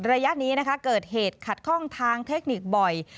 ระยะนี้นะคะเกิดเหตุขัดข้องทางเทคนิคบ่อย